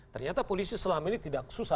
ternyata polisi selama ini tidak susah